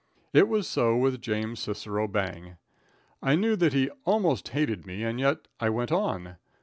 It was so with James Cicero Bang. I knew that he almost hated me, and yet I went on.